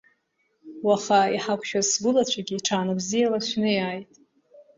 Уаха иҳақәшәаз сгәылацәагьы ҽаанбзиала шәнеиааит!